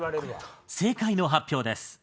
正解の発表です。